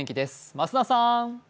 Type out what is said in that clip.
増田さん。